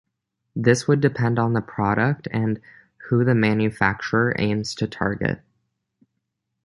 This would depend on the product and who the manufacturer aims to target.